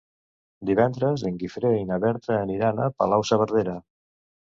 Divendres en Guifré i na Berta aniran a Palau-saverdera.